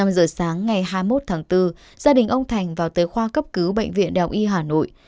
năm giờ sáng ngày hai mươi một tháng bốn gia đình ông thành vào tới khoa cấp cứu bệnh viện đại học y hà nội